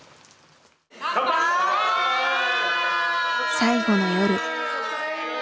最後の夜。